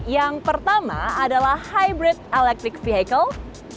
yang pertama adalah hybrid electric vehicle